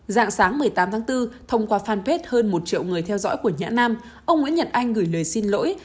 dạng sáng một mươi tám tháng bốn thông qua fanpage hơn một triệu người theo dõi của nhã nam ông nguyễn nhật anh gửi lời xin lỗi